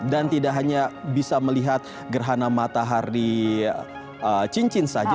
dan tidak hanya bisa melihat gerhana matahari cincin saja